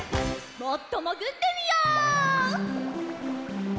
もっともぐってみよう！